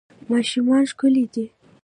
ماشومان ښکلي دي